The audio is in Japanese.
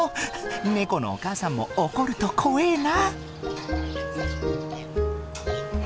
ネコのお母さんも怒ると怖えな。